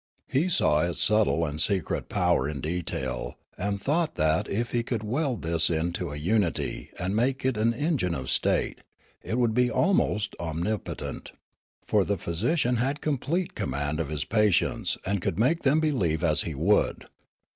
He saw its subtle and secret power in detail, and thought that, if he could weld this into a unity and make it an engine of state, it would be almost omnipotent ; for the physician had complete com mand of his patients, and could make them believe what he would.